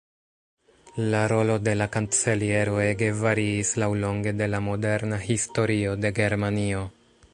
La rolo de la Kanceliero ege variis laŭlonge de la moderna historio de Germanio.